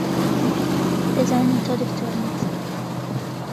دەزانم تۆ دکتۆر نیت.